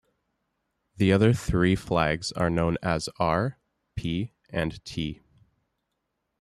The other three flags are known as "R", "P" and "T".